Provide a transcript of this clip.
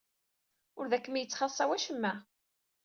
Da ur kem-yettxaṣṣa wacemma.